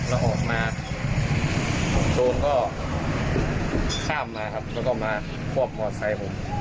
แล้วออกมาโจรก็ข้ามมาครับแล้วก็มาควบมอไซค์ผม